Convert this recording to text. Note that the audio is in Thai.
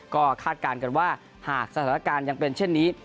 ก็คาดการณ์กันว่าหากสถานการณ์ยังเป็นเช่นนี้